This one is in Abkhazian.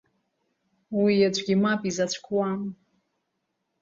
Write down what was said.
Уи аӡәгьы мап изацәкуам.